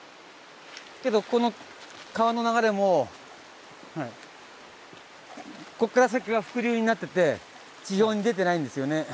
けどこの川の流れもここから先は伏流になってて地上に出てないんですよね。